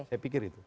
saya pikir itu